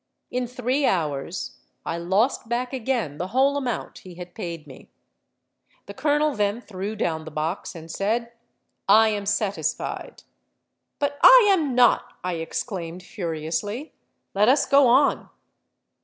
In three hours I lost back again the whole amount he had paid me. The colonel then threw down the box, and said, 'I am satisfied.'—'But I am not,' I exclaimed furiously: 'let us go on.'